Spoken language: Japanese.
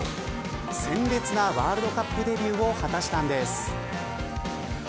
鮮烈なワールドカップデビューを果たしたんです。